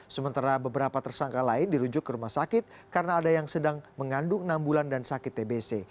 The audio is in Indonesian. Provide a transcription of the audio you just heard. sementara beberapa tersangka lain dirujuk ke rumah sakit karena ada yang sedang mengandung enam bulan dan sakit tbc